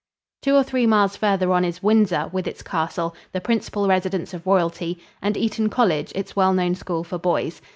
Two or three miles farther on is Windsor, with its castle, the principal residence of royalty, and Eton College, its well known school for boys.